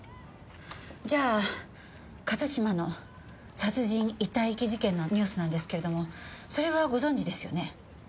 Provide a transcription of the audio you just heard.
じゃあ勝島の殺人・遺体遺棄事件のニュースなんですけれどもそれはご存じですよね？